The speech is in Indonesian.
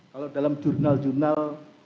kalau dalam jurnal jurnal